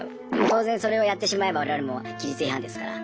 当然それをやってしまえば我々も規律違反ですから。